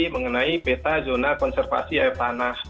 mengenai peta zona konservasi air tanah